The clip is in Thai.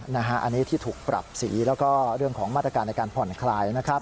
อันนี้ที่ถูกปรับสีแล้วก็เรื่องของมาตรการในการผ่อนคลายนะครับ